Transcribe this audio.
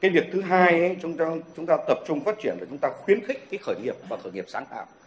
việc thứ hai chúng ta tập trung phát triển để chúng ta khuyến khích khởi nghiệp và khởi nghiệp sáng tạo